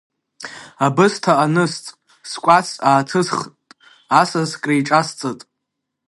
Абысҭа анысҵт, скәац ааҭысхит, асас криҿасҵыт.